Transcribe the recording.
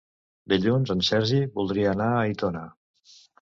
Dilluns en Sergi voldria anar a Aitona.